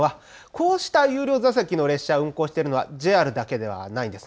こうした有料座席の列車を運行しているのはＪＲだけではないんです。